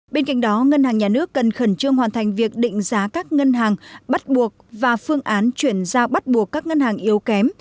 bên cạnh đó ngân hàng nhà nước cần khẩn trương hoàn thành việc định giá các ngân hàng bắt buộc và phương án chuyển ra bắt buộc các ngân hàng yếu kém